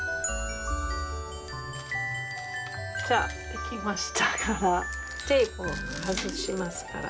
じゃあ出来ましたからテープを外しますから。